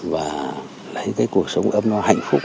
và lấy cái cuộc sống ấm no hạnh phúc